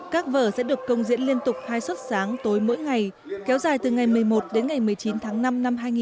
các vở sẽ được công diễn liên tục hai suốt sáng tối mỗi ngày kéo dài từ ngày một mươi một đến ngày một mươi chín tháng năm năm hai nghìn hai mươi